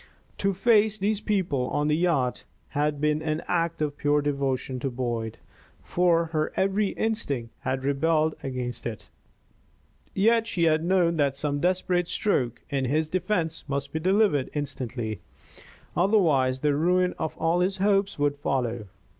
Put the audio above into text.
To face those people on the yacht had been an act of pure devotion to Boyd, for her every instinct had rebelled against it; yet she had known that some desperate stroke in his defence must be delivered instantly. Otherwise the ruin of all his hopes would follow.